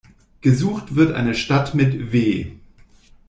Gesucht wird eine Stadt mit W.